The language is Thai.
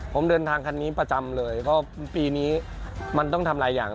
ผมเดินทางคันนี้ประจำเลยเพราะปีนี้มันต้องทำหลายอย่าง